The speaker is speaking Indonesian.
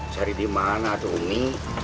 cari di mana tuh ini